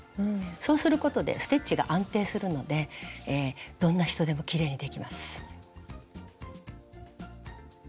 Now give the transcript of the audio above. そうすることでステッチが安定するのでどんな人でもきれいにできます。